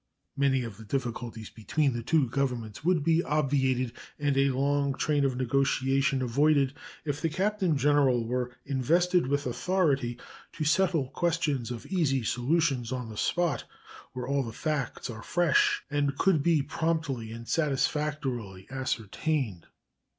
Many of the difficulties between the two Governments would be obviated and a long train of negotiation avoided if the Captain General were invested with authority to settle questions of easy solution on the spot, where all the facts are fresh and could be promptly and satisfactorily ascertained.